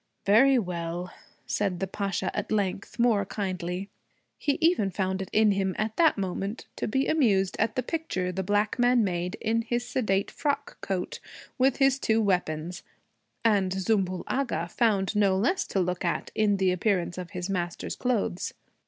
'Very well,' said the Pasha at length, more kindly. He even found it in him at that moment to be amused at the picture the black man made, in his sedate frock coat, with his two weapons. And Zümbül Agha found no less to look at, in the appearance of his master's clothes.